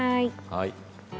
はい。